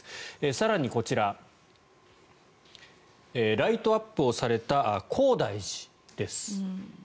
更にこちらライトアップをされた高台寺です。